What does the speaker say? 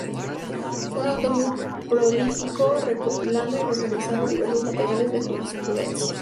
Fue un autor muy prolífico, recopilando y reorganizando diversos materiales de jurisprudencia.